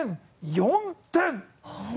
４点